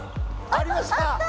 ありました！